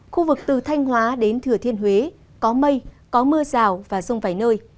khu vực từ thanh hóa đến thừa thiên huế có mây có mưa rào và rông vài nơi